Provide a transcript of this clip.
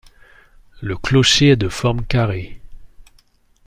Le clocher est de forme carrée.